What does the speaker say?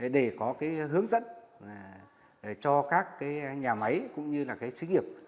để có cái hướng dẫn cho các nhà máy cũng như là các doanh nghiệp